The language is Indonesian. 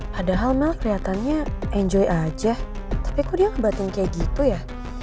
padahal mal kelihatannya enjoy aja tapi kok dia ngebatin kayak gitu ya